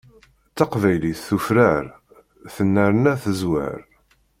Taqbaylit tufrar, tennerna teẓweṛ.